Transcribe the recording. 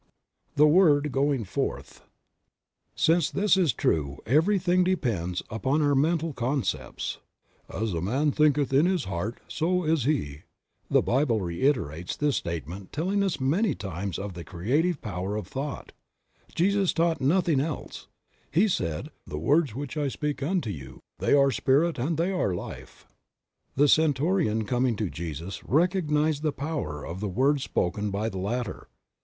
THE WORD GOING FORTH. QINCE this is true, everything depends upon our mental concepts. "As a man thinketh in his heart, so is he" ; the Bible reiterates this statement telling us many times of the creative power of thought; Jesus taught nothing else; He said "the words which I speak unto you, they are Spirit and they are life/' The Centurion coming to Jesus recognized the power of the word spoken by the latter.